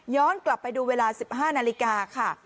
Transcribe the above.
กลับไปดูเวลา๑๕นาฬิกาค่ะ